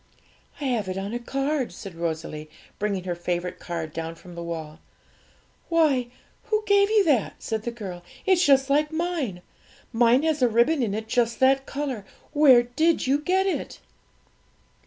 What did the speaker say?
'I have it on a card,' said Rosalie, bringing her favourite card down from the wall. 'Why, who gave you that?' said the girl; 'it's just like mine; mine has a ribbon in it just that colour! Where did you get it?'